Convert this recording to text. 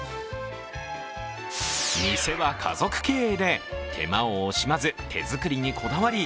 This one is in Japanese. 店は家族経営で、手間を惜しまず手作りにこだわり